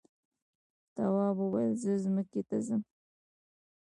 تواب وویل زه ځمکې ته ځم.